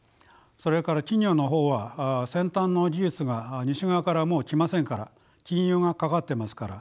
それから企業の方は先端の技術が西側からもう来ませんから禁輸がかかってますから。